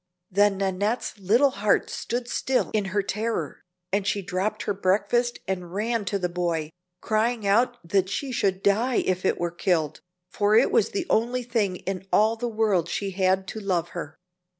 Then Nannette's little heart stood still in her terror, and she dropped her breakfast and ran to the boy, crying out that she should die if it were killed, for it was the only thing in all the world she had to love her.